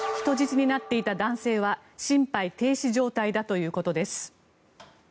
人質になっていた男性は心肺停止状態だということです。